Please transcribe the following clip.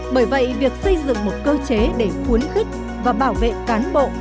bởi vậy việc xây dựng một cơ chế để khuyến khích và bảo vệ cán bộ